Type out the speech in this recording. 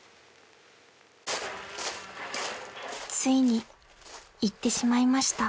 ［ついに言ってしまいました］